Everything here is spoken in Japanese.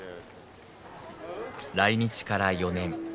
来日から４年。